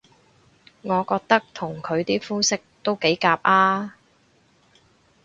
我覺得同佢啲膚色都幾夾吖